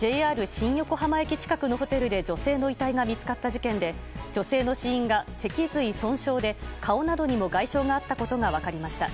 新横浜駅近くのホテルで女性の遺体が見つかった事件で女性の死因が脊髄損傷で顔などにも外傷があったことが分かりました。